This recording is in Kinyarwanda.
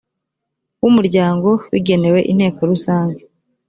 w umuryango bigenewe inteko rusange